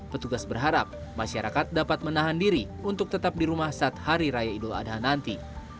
petugas berharap masyarakat dapat menahan diri untuk tetap di rumah saat hari raya idul adha nanti